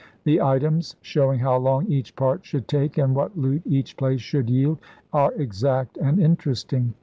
The items, showing how long each part should take and what loot each place should yield, are exact and interesting.